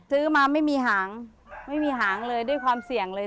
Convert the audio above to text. ซื้อมาไม่มีหางไม่มีหางเลยด้วยความเสี่ยงเลย